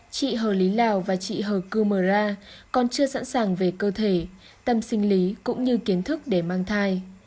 chị hờ lý lào và chị hờ kumara còn chưa sẵn sàng về cơ thể tâm sinh lý cũng như kiến thức để mang thai